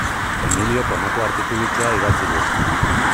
Emiliok honako artikulutxoa idatzi du.